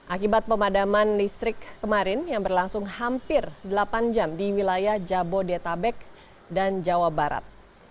akibat pemadaman listrik kemarin yang berlangsung hampir delapan jam di wilayah jabodetabek dan jawa barat